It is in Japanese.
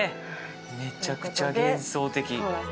めちゃくちゃ幻想的。